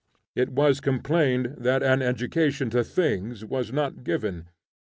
It was complained that an education to things was not given.